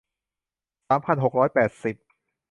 สามพันหกร้อยแปดสิบ